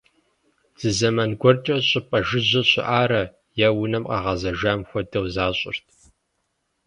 Зы зэман гуэркӏэ щӏыпӏэ жыжьэ щыӏарэ, я унэм къагъэзэжам хуэдэу защӏырт.